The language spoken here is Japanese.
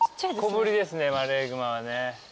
小ぶりですねマレーグマ。